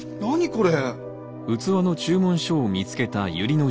これ！